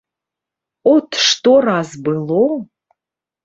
От што раз было.